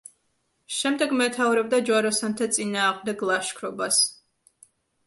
შემდეგ მეთაურობდა ჯვაროსანთა წინააღმდეგ ლაშქრობას.